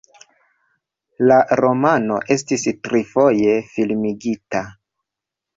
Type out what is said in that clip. La romano estis trifoje filmigita.